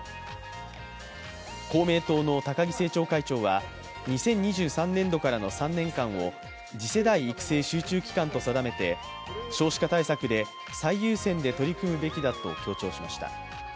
公明党の高木政調会長は２０２３年度からの３年間を次世代育成集中期間と定めて少子化対策で最優先で取り組むべきだと強調しました。